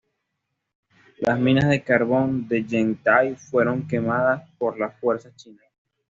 Las minas de carbón de Yen-t'ai fueron quemadas por las fuerzas chinas.